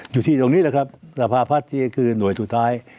อยู่ที่ตรงนี้แหละครับสภาพัฒน์ที่ก็คือหน่วยสุดท้าย